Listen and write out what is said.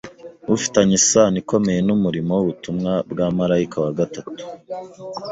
ufitanye isano ikomeye n’umurimo w’ubutumwa bwa marayika wa gatatu,